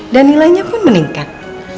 dan nilainya pun meningkat